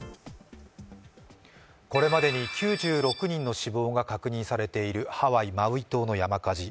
これまでに９６人の死亡が確認されているハワイ・マウイ島の山火事。